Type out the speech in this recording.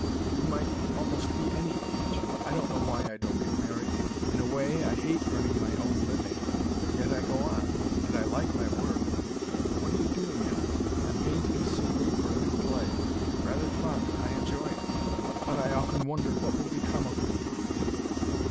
"You might almost be any age. I don't know why I don't get married. In a way, I hate earning my own living yet I go on and I like my work " "What are you doing now?" "I'm painting scenery for a new play rather fun I enjoy it. But I often wonder what will become of me."